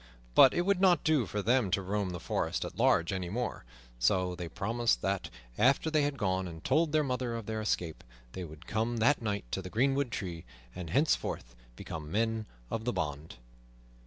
But it would not do for them to roam the forest at large any more; so they promised that, after they had gone and told their mother of their escape, they would come that night to the greenwood tree, and thenceforth become men of the band.